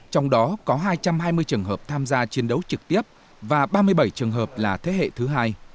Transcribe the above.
trong đó có hai trăm hai mươi trường hợp tham gia chiến đấu trực tiếp và ba mươi bảy trường hợp là thế hệ thứ hai